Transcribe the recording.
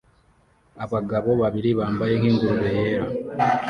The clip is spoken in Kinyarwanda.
Abagabo babiri bambaye nk'ingurube yera